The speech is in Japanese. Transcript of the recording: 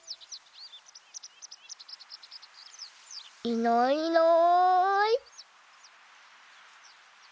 いないいない。